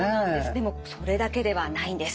でもそれだけではないんです。